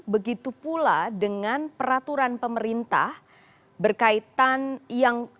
begitu pula dengan peraturan pemerintah berkaitan yang